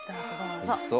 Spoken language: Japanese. おいしそう。